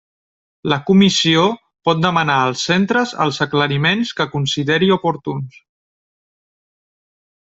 La Comissió pot demanar als centres els aclariments que consideri oportuns.